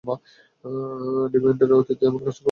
ডিভিয়েন্টরা অতীতে এমন কাজ কখনও করেনি।